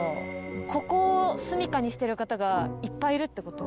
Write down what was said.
ここをすみかにしてる方がいっぱいいるって事？